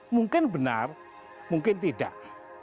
mungkin benar mungkin tidak